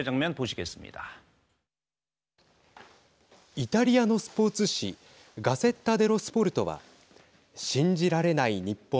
イタリアのスポーツ紙ガゼッタ・デロ・スポルトは信じられない日本。